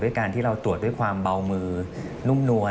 การที่เราตรวจด้วยความเบามือนุ่มนวล